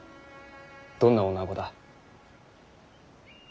どんな女子だ。